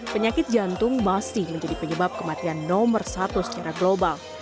penyakit jantung masih menjadi penyebab kematian nomor satu secara global